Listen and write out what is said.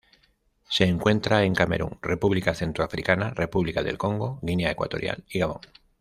Se encuentra en Camerún, República Centroafricana, República del Congo, Guinea Ecuatorial y Gabón.